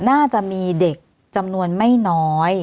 น่าจะมีเด็กจำนวนไม่น้อย